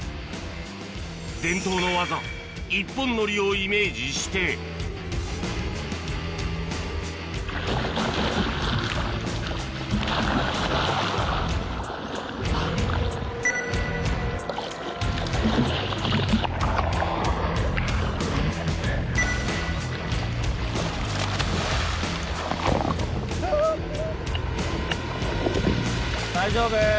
伝統の技一本乗りをイメージして・大丈夫？